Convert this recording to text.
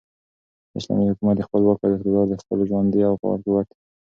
اسلامي حكومت دخپل واك او اقتدار ،خپل ژوندي او فعال قوت ،